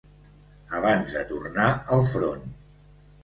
Abans de tornar al front